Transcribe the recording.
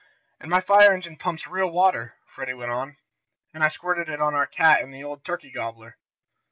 "And my fire engine pumps real water," Freddie went on, "and I squirted it on our cat and on the old turkey gobbler."